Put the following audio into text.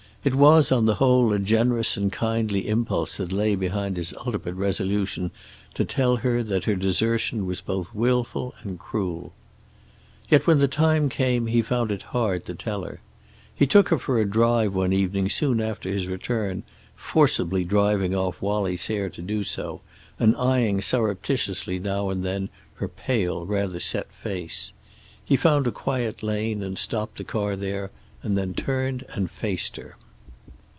It was, on the whole, a generous and kindly impulse that lay behind his ultimate resolution to tell her that her desertion was both wilful and cruel. Yet, when the time came, he found it hard to tell her. He took her for a drive one evening soon after his return, forcibly driving off Wallie Sayre to do so, and eying surreptitiously now and then her pale, rather set face. He found a quiet lane and stopped the car there, and then turned and faced her.